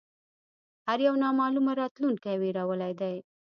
هر یو نامعلومه راتلونکې وېرولی دی